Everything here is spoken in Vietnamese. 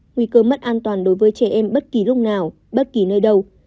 nguy cơ mất an toàn đối với trẻ em bất kỳ lúc nào bất kỳ nơi đâu